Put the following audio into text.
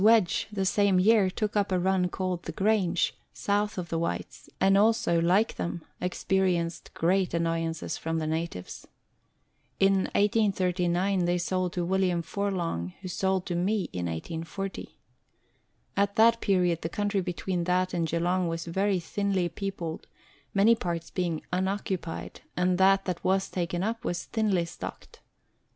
Wedge, the same year, took up a run called the Grange, south of the Whytes ; and also, like them, experienced great annoyances from the natives. In 1839 they sold to William Forlonge, who sold to me in 1840. At that period the country between that and Geelong was very thinly peopled many parts being unoccupied, and that that was taken up was thinly stocked.